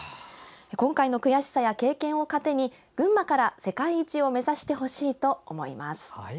今回の悔しさや経験を糧に群馬から世界一を目指してほしいと思います。